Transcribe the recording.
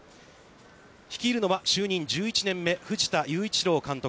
率いるのは就任１１年目、藤田雄一郎監督。